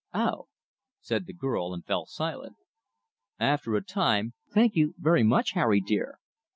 "Oh!" said the girl, and fell silent. After a time, "Thank you very much, Harry dear."